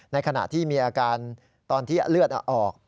ในขณะที่มีอาการตอนที่เลือดออก